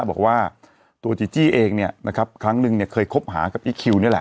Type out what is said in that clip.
บอกว่าตัวจีจี้เองเนี่ยนะครับครั้งนึงเนี่ยเคยคบหากับอีคิวนี่แหละ